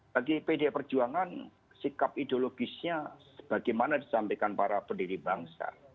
bagi pdi perjuangan sikap ideologisnya sebagaimana disampaikan para pendiri bangsa